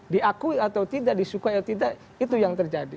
diakui atau tidak disukai atau tidak itu yang terjadi